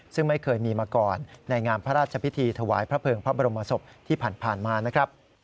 ซึ่งไม่เคยมีมาก่อนในงานพระราชพิธีถวายพระเภิงพระบรมศพที่ผ่านมานะครับ